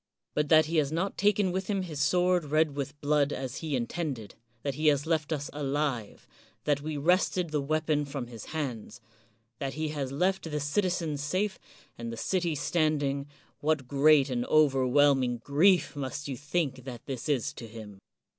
But that he has not taken with him his sword red with blood as he intended, — that he has left us alive, — that we wrested the weapon from his hands, — ^that he has left the citizens safe and the city standing, what great and overwhelming grief must you think that this is to him!